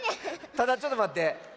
ただちょっとまって。